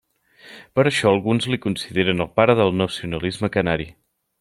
Per això alguns li consideren el pare del nacionalisme canari.